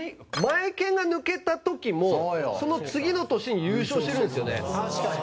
マエケンが抜けた時もその次の年に優勝してるんですよね。